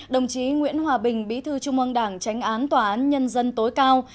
đồng chí nguyễn hòa bình bí thư trung ương đảng tránh án tòa án nhân dân tối cao